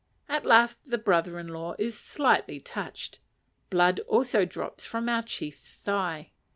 At last the brother in law is slightly touched; blood also drops from our chief's thigh.